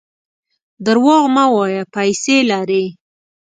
درواغ مه وایه ! پیسې لرې.